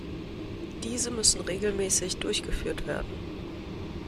Diese müssen regelmäßig durchgeführt werden.